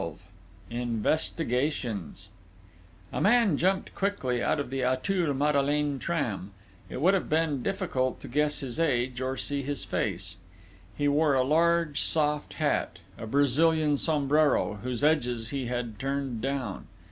XII INVESTIGATIONS A man jumped quickly out of the Auteuil Madeleine tram. It would have been difficult to guess his age, or see his face. He wore a large soft hat a Brazilian sombrero whose edges he had turned down.